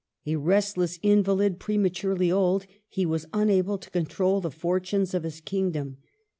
A restless in valid, prematurely old, he was unable to control the fortunes of his kingdom.